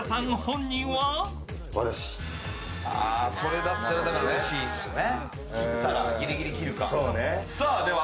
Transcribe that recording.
それだったらうれしいですよね。